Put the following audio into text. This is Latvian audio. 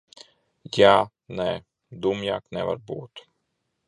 Jā, nē. Dumjāk nevar būt.